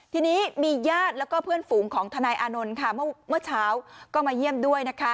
ทีนี้มีญาติแล้วก็เพื่อนฝูงของทนายอานนท์ค่ะเมื่อเช้าก็มาเยี่ยมด้วยนะคะ